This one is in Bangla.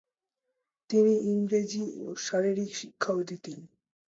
তিনি ইংরেজি ও শারীরিক শিক্ষাও দিতেন।